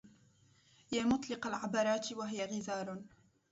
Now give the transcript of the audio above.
يا مطلق العبرات وهي غزار